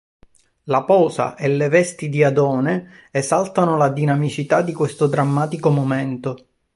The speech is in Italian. La posa e le vesti di Adone esaltano la dinamicità di questo drammatico momento.